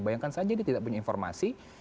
bayangkan saja dia tidak punya informasi